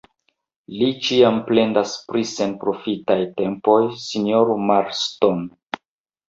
Li ĉiam plendas pri senprofitaj tempoj, sinjoro Marston.